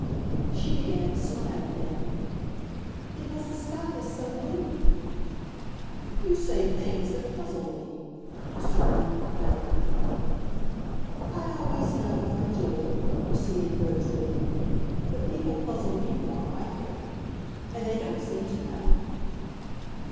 She began to smile again. "Because the sky is so blue!" "You say things that puzzle me," Mr. Brand declared. "I always know when I do it," proceeded Gertrude. "But people puzzle me more, I think. And they don't seem to know!"